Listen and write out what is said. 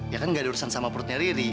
ya kan gak ada urusan sama perutnya riri